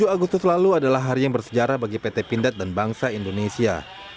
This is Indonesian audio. dua puluh agustus lalu adalah hari yang bersejarah bagi pt pindad dan bangsa indonesia